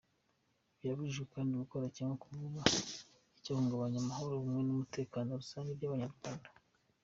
Birabujijwe kandi gukora cyangwa kuvuga icyahungabanya amahoro, ubumwe n’umutekano rusange by’Abanyarwanda.